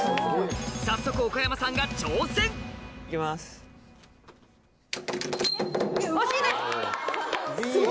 早速岡山さんが挑戦惜しいです！